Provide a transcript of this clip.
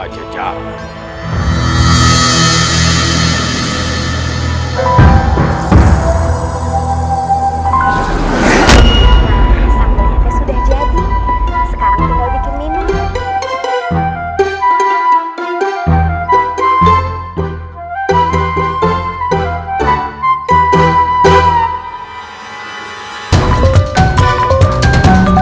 yang mungkin akan merugikan